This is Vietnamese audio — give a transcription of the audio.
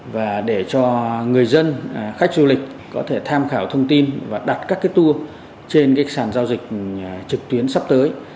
và để cho người dân khách du lịch có thể tham khảo thông tin và đặt các tour trên sàn giao dịch trực tuyến sắp tới